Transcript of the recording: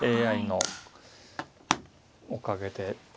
ＡＩのおかげで。